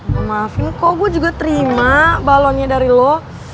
mau maafin kok gue juga terima balonnya dari lo